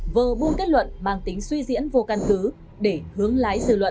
vờ buôn kết luận mang tính suy diễn vô căn cứ để hướng lái dư luận